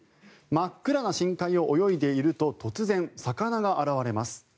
真っ暗な深海を泳いでいると突然、魚が現れます。